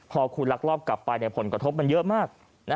พอคุณลักลอบกลับไปผลกระทบมันเยอะมาก